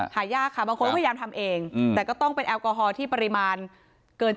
หายากค่ะบางคนก็พยายามทำเองแต่ก็ต้องเป็นแอลกอฮอล์ที่ปริมาณเกิน